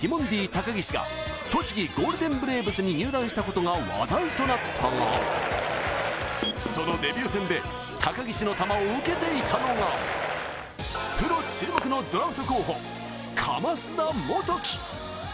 高岸が栃木ゴールデンブレーブスに入団したことが話題となったがそのデビュー戦で高岸の球を受けていたのがプロ注目のドラフト候補、叺田本気。